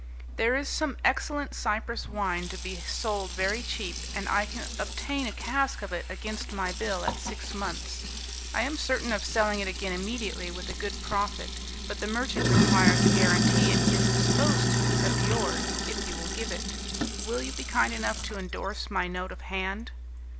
"There is some excellent Cyprus wine to be sold very cheap, and I can obtain a cask of it against my bill at six months. I am certain of selling it again immediately with a good profit; but the merchant requires a guarantee, and he is disposed to accept yours, if you will give it. Will you be kind enough to endorse my note of hand?"